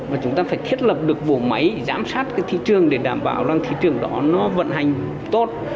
và chúng ta phải thiết lập được vũ máy giám sát thị trường để đảm bảo thị trường đó vận hành tốt